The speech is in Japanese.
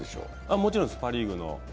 もちろんです、パ・リーグの。